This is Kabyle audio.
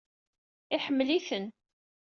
Iḥemmel-iten.